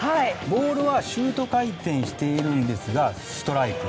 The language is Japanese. ボールはシュート回転しているんですがストライク。